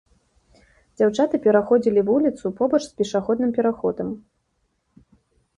Дзяўчаты пераходзілі вуліцу побач з пешаходным пераходам.